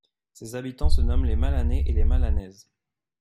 Ses habitants se nomment les Malanais et Malanaises.